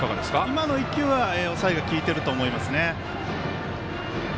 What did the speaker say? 今の１球は抑えがきいてると思いますね。